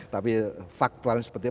tapi faktualnya seperti itu